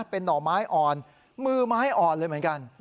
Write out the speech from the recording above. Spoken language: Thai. เป็นหน่อไม้อ่อนมือไม้อ่อนเลยเหมือนกัน